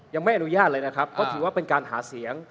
ยังไม่อนุญาตเลยนะครับเพราะถือว่าเป็นการหาเสียง